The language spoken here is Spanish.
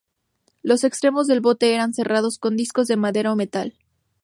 Los extremos del bote eran cerrados con discos de madera o metal.